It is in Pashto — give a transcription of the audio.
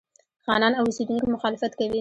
خانان او اوسېدونکي مخالفت کوي.